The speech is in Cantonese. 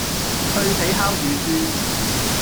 脆皮烤乳豬